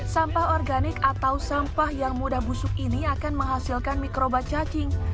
sampah organik atau sampah yang mudah busuk ini akan menghasilkan mikrobat cacing